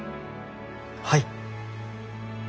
はい。